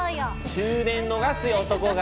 終電逃すよ男が。